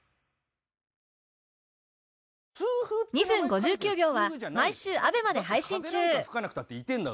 『２分５９秒』は毎週 ＡＢＥＭＡ で配信中